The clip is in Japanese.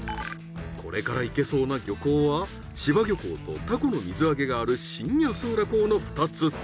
これから行けそうな漁港は柴漁港とタコの水揚げがある新安浦港の２つ。